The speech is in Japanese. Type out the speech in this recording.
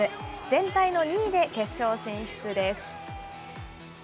全体の２位で決勝進出です。